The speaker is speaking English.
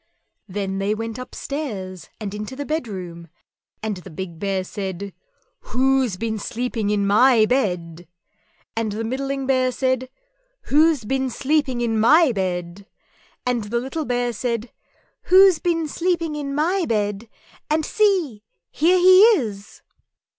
_" Then they went upstairs and into the bedroom, and the big Bear said, "WHO'S BEEN SLEEPING IN MY BED?" and the middling Bear said, "WHO'S BEEN SLEEPING IN MY BED?" and the little Bear said, "_Who's been sleeping in my bed? and see here he is!